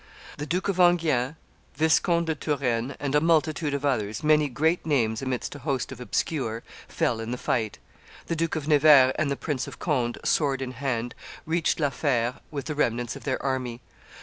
The Duke of Enghien, Viscount de Turenne, and a multitude of others, many great names amidst a host of obscure, fell in the fight. The Duke of Nevers and the Prince of Conde, sword in hand, reached La Fere with the remnants of their army.